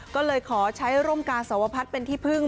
ก็เลยขอใช้ร่มกาสวพัฒน์เป็นที่พึ่ง